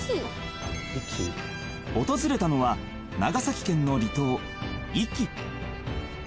［訪れたのは長崎県の離島壱岐］